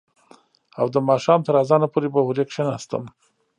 او د ماښام تر اذانه پورې به هورې کښېناستم.